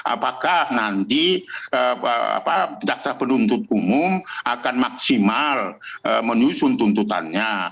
apakah nanti jaksa penuntut umum akan maksimal menyusun tuntutannya